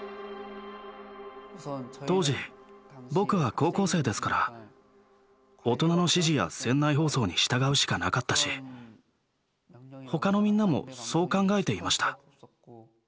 当時僕は高校生ですから大人の指示や船内放送に従うしかなかったし他のみんなもそう考えていました。